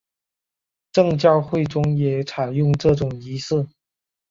正教会中也采用这种仪式。